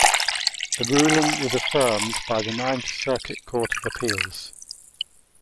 The ruling was affirmed by the Ninth Circuit Court of Appeals.